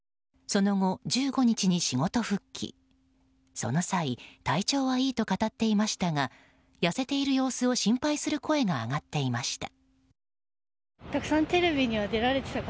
その際、体調はいいと語っていましたが痩せている様子を心配する声が上がっていました。